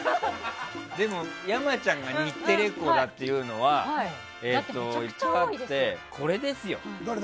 でも、山ちゃんが日テレっ子だっていうのはあってこれですよ。